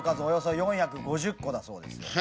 およそ４５０個だそうです。